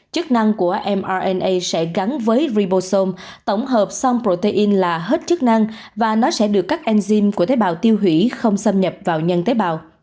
chức năng của mrna sẽ gắn với ribosom tổng hợp som protein là hết chức năng và nó sẽ được các enzym của tế bào tiêu hủy không xâm nhập vào nhân tế bào